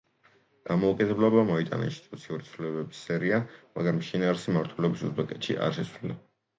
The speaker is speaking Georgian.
დამოუკიდებლობამ მოიტანა ინსტიტუციური ცვლილებების სერია, მაგრამ შინაარსი მმართველობის უზბეკეთში არ შეცვლილა.